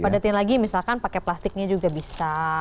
padatin lagi misalkan pakai plastiknya juga bisa